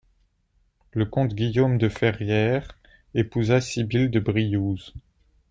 Le comte Guillaume de Ferrières épousa Sybil de Briouze.